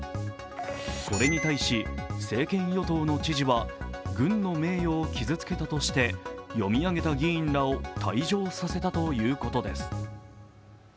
これに対し、政権与党の知事は軍の名誉を傷つけたとして読み上げた議員らを退場させたということです。